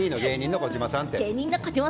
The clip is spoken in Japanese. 芸人の児嶋さんって。